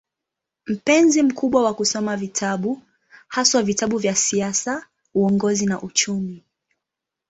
Mpenzi mkubwa wa kusoma vitabu, haswa vitabu vya siasa, uongozi na uchumi.